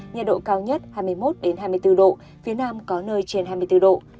nhiệt độ cao nhất hai mươi một hai mươi bốn độ phía nam có nơi trên hai mươi bốn độ